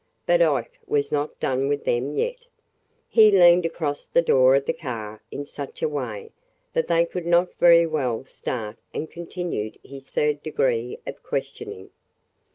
But Ike was not done with them yet. He leaned across the door of the car in such a way that they could not very well start and continued his third degree of questioning.